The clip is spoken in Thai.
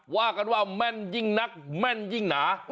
ว่ากันว่าแม่นยิ่งนักแม่นยิ่งหนา